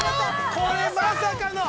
これ、まさかの。